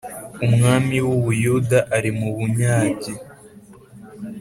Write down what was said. umwami w u Buyuda ari mu bunyage